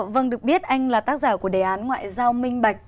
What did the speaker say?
vâng được biết anh là tác giả của đề án ngoại giao minh bạch